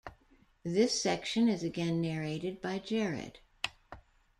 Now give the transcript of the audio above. This section is again narrated by Jared.